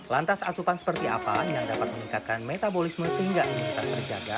lantas asupan seperti apa yang dapat meningkatkan metabolisme sehingga imunitas terjaga